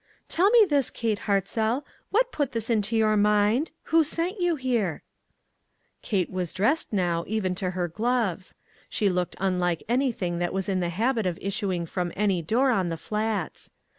" Tell me this, Kate Hartzell — what put this into your mind? Who sent you here?" Kate was dressed now, even to her gloves. She looked unlike anything that was in the habit of issuing from any door on the Flats.